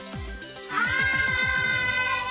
はい！